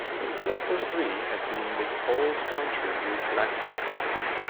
The latter three had been with Paul's country group BlackHawk.